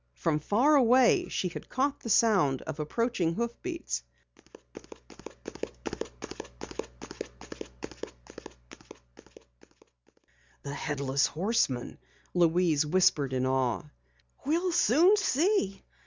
From far away she had caught the sound of approaching hoofbeats. "The Headless Horseman!" Louise whispered in awe. "We'll soon see. Mrs.